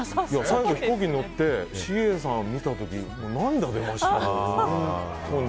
最後、飛行機に乗ってＣＡさん見た時、涙出ましたもん。